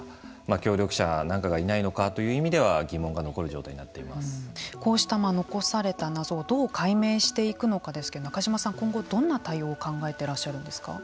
協力者なんかがいないのかという意味ではこうした残された謎をどう解明していくのかですが中島さん、今後どんな対応を考えてらっしゃるんですか。